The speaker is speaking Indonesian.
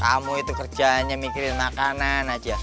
kamu itu kerjanya mikirin makanan aja